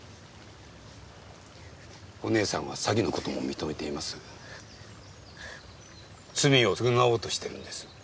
お姉さんは詐欺のことも認めています罪を償おうとしてるんです